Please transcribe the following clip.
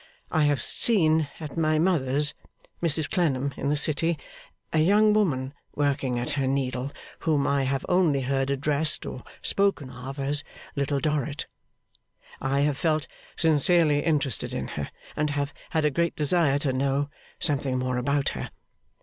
I have seen at my mother's Mrs Clennam in the city a young woman working at her needle, whom I have only heard addressed or spoken of as Little Dorrit. I have felt sincerely interested in her, and have had a great desire to know something more about her.